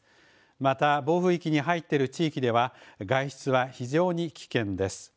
また暴風域に入っている地域では、外出は非常に危険です。